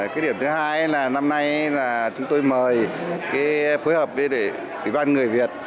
cái điểm thứ hai là năm nay là chúng tôi mời phối hợp với bàn người việt